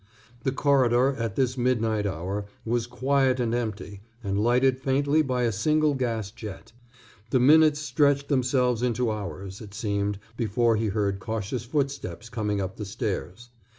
The corridor, at this midnight hour, was quiet and empty and lighted faintly by a single gas jet. The minutes stretched themselves into hours, it seemed, before he heard cautious footsteps coming up the stairs.